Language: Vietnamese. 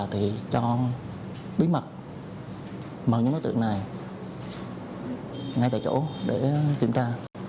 thì cho bí mật mở những đối tượng này ngay tại chỗ để kiểm tra